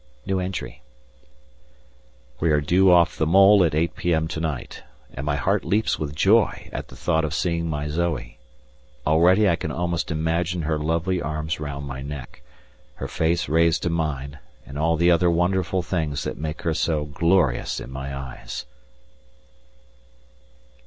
We are due off the mole at 8 p.m. tonight, and my heart leaps with joy at the thought of seeing my Zoe; already I can almost imagine her lovely arms round my neck, her face raised to mine, and all the other wonderful things that make her so glorious in my eyes.